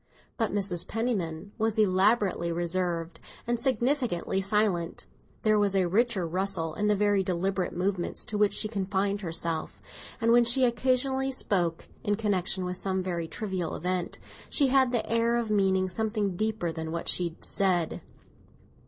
But Mrs. Penniman was elaborately reserved and significantly silent; there was a richer rustle in the very deliberate movements to which she confined herself, and when she occasionally spoke, in connexion with some very trivial event, she had the air of meaning something deeper than what she said.